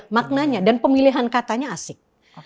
maknanya dan pemilihan katanya asik